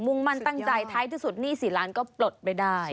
่งมั่นตั้งใจท้ายที่สุดหนี้๔ล้านก็ปลดไปได้